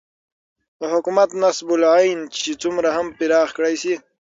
دحكومت نصب العين چې څومره هم پراخ كړى سي